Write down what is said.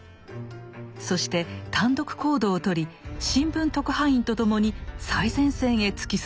そして単独行動をとり新聞特派員と共に最前線へ突き進みました。